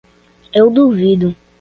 Eu duvido